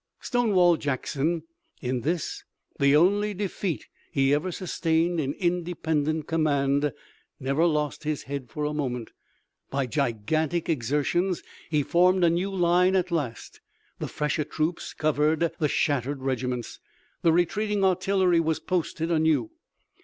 Stonewall Jackson, in this the only defeat he ever sustained in independent command, never lost his head for a moment. By gigantic exertions he formed a new line at last. The fresher troops covered the shattered regiments. The retreating artillery was posted anew.